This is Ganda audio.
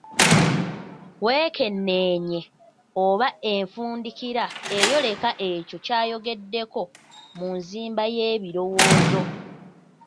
Weekenneenye oba enfundikira eyoleka ekyo ky'ayogegeddeko mu nzimba y'ebirowoozo.